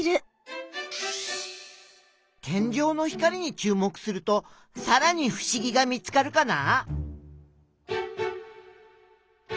天井の光にちゅう目するとさらにふしぎが見つかるかな？